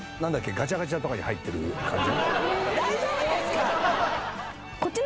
ガチャガチャとかに入ってる感じ。